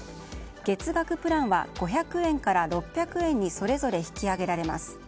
月額プランは５００円から６００円にそれぞれ引き上げられます。